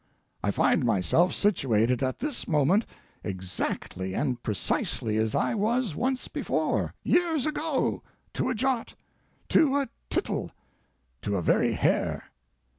I find myself situated at this moment exactly and precisely as I was once before, years ago, to a jot, to a tittle—to a very hair.